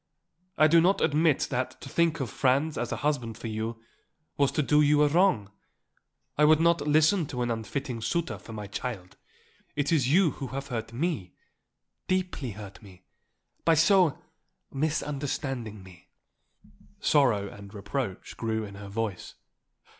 I do not admit that to think of Franz as a husband for you was to do you a wrong. I would not listen to an unfitting suitor for my child. It is you who have hurt me deeply hurt me by so misunderstanding me." Sorrow and reproach grew in her voice.